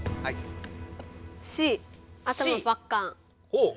ほう。